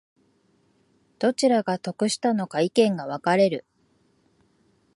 どちらが得したのか意見が分かれる